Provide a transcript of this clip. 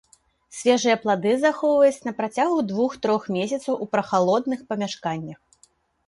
Свежыя плады захоўваюць на працягу двух-трох месяцаў у прахалодных памяшканнях.